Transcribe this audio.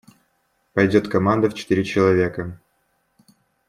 Пойдет команда в четыре человека.